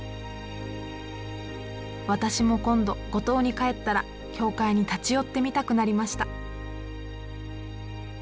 私も今度五島に帰ったら教会に立ち寄ってみたくなりました。